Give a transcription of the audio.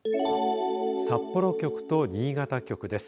札幌局と新潟局です。